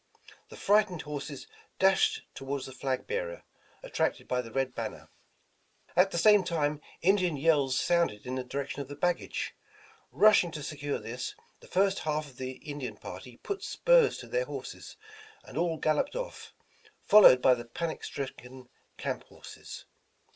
The frightened horses dashed toward the flag bearer, attracted by the red banner. At the same time Indian yells sounded in the direc tion of the baggage. Rushing to secure this, the first half of the Indian party put spurs to their horses and all galloped off, followed by the panic stricken camp 198 Despatches to Mr. Astor horses.